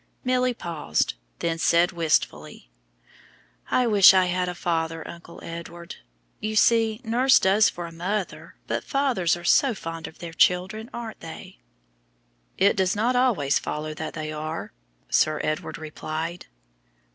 Milly paused, then said wistfully, "I wish I had a father, Uncle Edward. You see, nurse does for a mother, but fathers are so fond of their children, aren't they?" "It does not always follow that they are," Sir Edward replied.